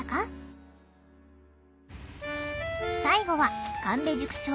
最後は神戸塾長